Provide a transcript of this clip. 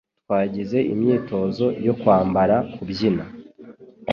Twagize imyitozo yo kwambara kubyina